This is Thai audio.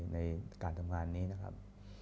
ในการทำงานนี้นะครับ